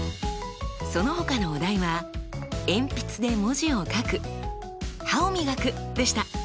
そのほかのお題は「鉛筆で文字を書く」「歯を磨く」でした。